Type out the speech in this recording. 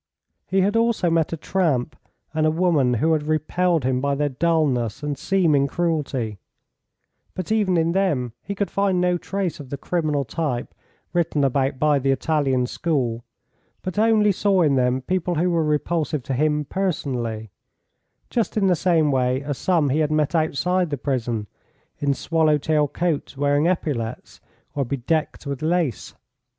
He had also met a tramp and a woman who had repelled him by their dulness and seeming cruelty, but even in them he could find no trace of the criminal type written about by the Italian school, but only saw in them people who were repulsive to him personally, just in the same way as some he had met outside the prison, in swallow tail coats wearing epaulettes, or bedecked with lace.